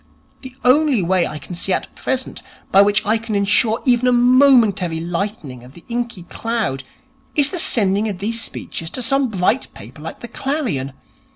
The only way I can see at present by which I can ensure even a momentary lightening of the inky cloud is the sending of these speeches to some bright paper like the _Clarion.